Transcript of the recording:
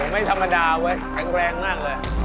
ไม่ธรรมดาเว้ยแข็งแรงมากเลย